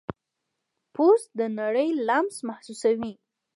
پوست د نړۍ لمس محسوسوي.